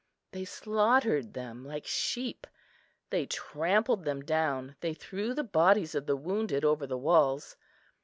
They slaughtered them like sheep; they trampled them down; they threw the bodies of the wounded over the walls.